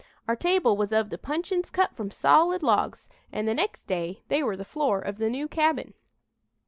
Our table was of the puncheons cut from solid logs, and the next day they were the floor of the new cabin."